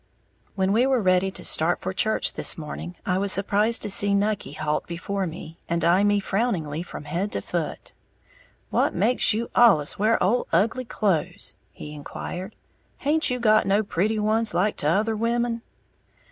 _ When we were ready to start for church this morning, I was surprised to see Nucky halt before me, and eye me frowningly from head to foot. "What makes you allus wear ole ugly clothes?" he inquired. "Haint you got no pretty ones, like t'other women?"